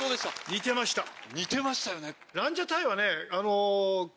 似てましたよね。